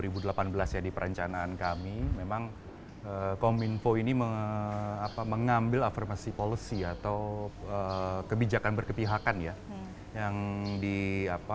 kemudian ke tahun dua ribu delapan belas ya di perencanaan kami memang kominfo ini mengambil affirmasi policy atau kebijakan berkepihakan ya